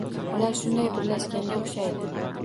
Ular shunday birlashganga o‘xshaydi.